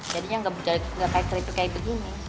jadinya enggak terlalu kering kayak begini